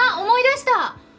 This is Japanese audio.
思い出した！